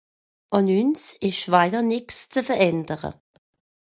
Àn ùns ìsch ’s wajer nìtt se ze verändere.